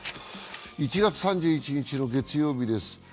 １月３１日の月曜日です。